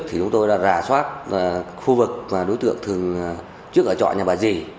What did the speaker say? thì chúng tôi đã rà soát khu vực và đối tượng thường trước ở trọ nhà bà dì